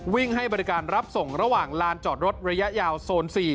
ให้บริการรับส่งระหว่างลานจอดรถระยะยาวโซน๔